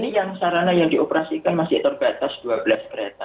ini yang sarana yang dioperasikan masih terbatas dua belas kereta